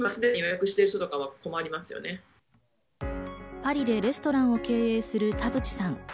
パリでレストランを経営する田淵さん。